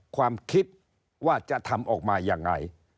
ความคิดว่าจะทำออกมายังไง